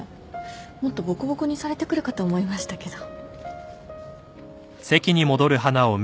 もっとボコボコにされてくるかと思いましたけど。